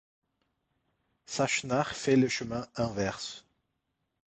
Chassenard fait le chemin inverse.